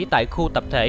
tại khu tập thể